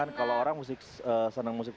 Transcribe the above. kan kalau orang senang musik